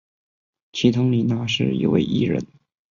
齐藤里奈是一位艺人。